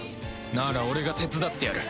なら俺が手伝ってやる。